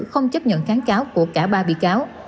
không chấp nhận kháng cáo của cả ba bị cáo